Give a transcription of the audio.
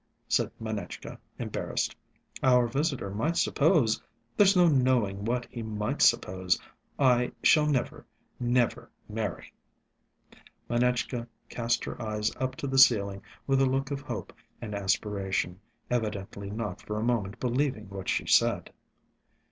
said Manetchka, embarrassed. "Our visitor might suppose ... there's no knowing what he might suppose .... I shall never never marry." Manetchka cast her eyes up to the ceiling with a look of hope and aspiration, evidently not for a moment believing what she said.